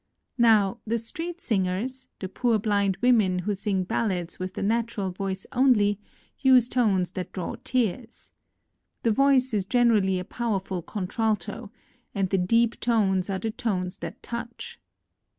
Now, the street sing ers, the poor blind women who sing ballads with the natural voice only, use tones that draw tears. The voice is generally a power ful contralto; amd the deep tones are the tones that touch.